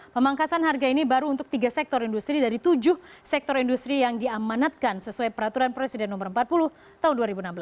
pemangkasan harga ini baru untuk tiga sektor industri dari tujuh sektor industri yang diamanatkan sesuai peraturan presiden no empat puluh tahun dua ribu enam belas